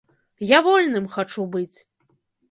Я вольным хачу быць.